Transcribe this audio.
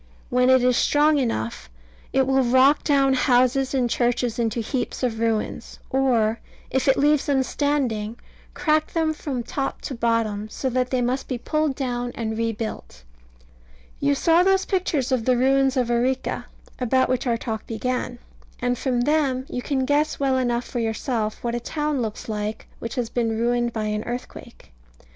When it is strong enough, it will rock down houses and churches into heaps of ruins, or, if it leaves them standing, crack them from top to bottom, so that they must be pulled down and rebuilt. You saw those pictures of the ruins of Arica, about which our talk began; and from them you can guess well enough for yourself what a town looks like which has been ruined by an earthquake.